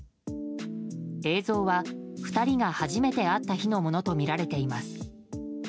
映像は２人が初めて会った日のものとみられています。